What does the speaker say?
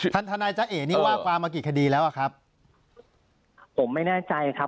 ทนายจ้าเอ๋นี่ว่าความมากี่คดีแล้วอ่ะครับผมไม่แน่ใจครับ